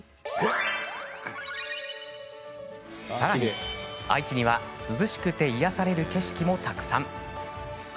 さらに、愛知には涼しくて癒やされる景色もたくさん。